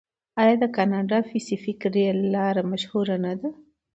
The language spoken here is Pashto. آیا د کاناډا پیسفیک ریل لار مشهوره نه ده؟